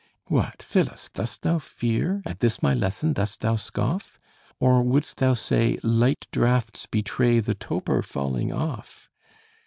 What, Phyllis, dost thou fear? at this My lesson dost thou scoff? Or would'st thou say, light draughts betray The toper falling off?